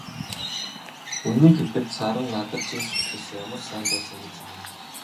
Үнэнийг хэлэхэд, Саран надад чин сэтгэлээсээ ямар сайн байсан гэж санана.